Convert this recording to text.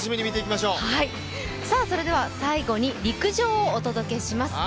それでは最後に陸上をお届けします。